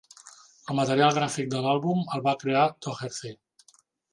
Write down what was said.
El material gràfic de l'àlbum el va crear Doherty.